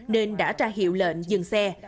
nên đã tra hiệu lệnh dừng xe